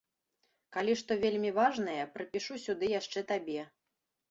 Калі што вельмі важнае, прыпішу сюды яшчэ табе.